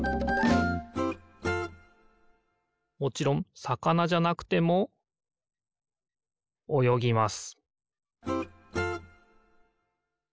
もちろんさかなじゃなくてもおよぎます